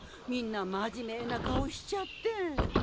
みんなまじめな顔しちゃって。